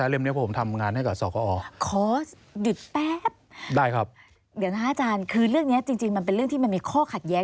เรื่องนี้จริงมันเป็นเรื่องที่มันมีข้อขัดแยก